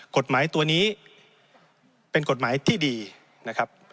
กฎหมายตัวนี้เป็นกฎหมายที่ดีนะครับ